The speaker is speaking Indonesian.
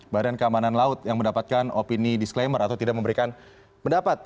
badan keamanan laut yang mendapatkan opini disclaimer atau tidak memberikan pendapat